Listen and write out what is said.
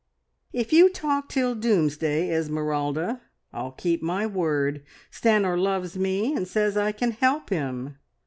"If you talk till doomsday, Esmeralda, I'll keep my word. Stanor loves me and says I can help him.